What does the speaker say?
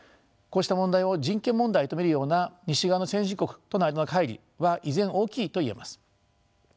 こうした問題を人権問題と見るような西側の先進国との間のかい離は依然大きいといえます。